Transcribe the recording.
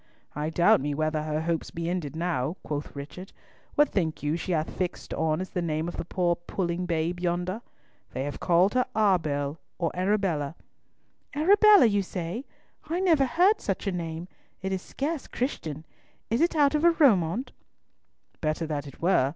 "I doubt me whether her hopes be ended now," quoth Richard. "What think you she hath fixed on as the name of the poor puling babe yonder? They have called her Arbel or Arabella." "Arabella, say you? I never heard such a name. It is scarce Christian. Is it out of a romaunt?" "Better that it were.